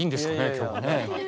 今日はね。